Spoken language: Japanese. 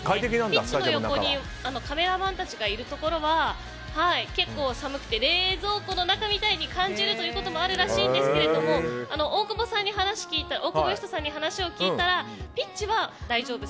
ピッチの横にカメラマンたちがいるところは結構、寒くて冷蔵庫の中みたいに感じるということもあるみたいですが大久保さんに話を聞いたらピッチは大丈夫。